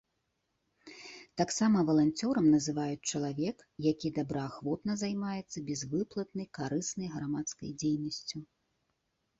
Таксама валанцёрам называюць чалавек, які добраахвотна займаецца бязвыплатнай карыснай грамадскай дзейнасцю.